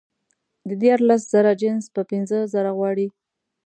د دیارلس زره جنس په پینځه زره غواړي